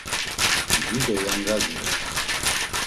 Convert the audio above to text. Dido yangazi re.